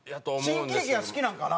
新喜劇が好きなんかな？